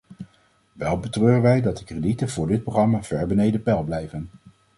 Wel betreuren wij dat de kredieten voor dit programma ver beneden peil blijven.